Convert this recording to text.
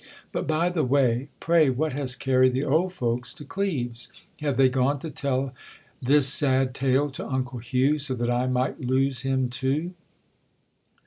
But, by the way, pray what has carried the old folks to Cleves ? Have they gone to tell this sad tale to uncle Hugh, so that 1 might lose him too?